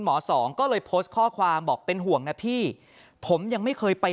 สองก็เลยโพสต์ข้อความบอกเป็นห่วงนะพี่ผมยังไม่เคยไป